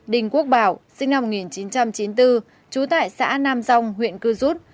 đình quốc bảo sinh năm một nghìn chín trăm chín mươi bốn trú tại xã nam rong huyện cư rút